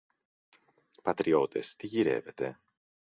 Πατριώτες, τι γυρεύετε;